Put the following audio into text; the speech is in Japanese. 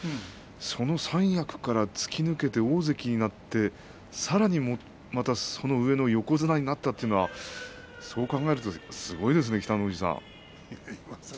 その三役から突き抜けて大関になってさらにその上の横綱になったというのはすごいですね、北の富士さん。